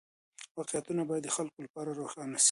واقعيتونه بايد د خلګو لپاره روښانه سي.